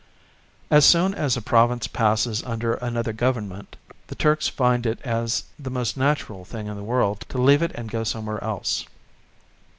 As soon as a province passes under another Government, the Turks find it the most natural thing in the world to leave it and go somewhere else.